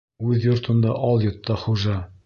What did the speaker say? Үҙ йортонда алйот та хужа.